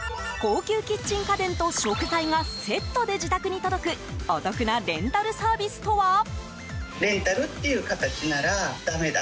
高級キッチン家電と食材がセットで自宅に届くお得なレンタルサービスとは？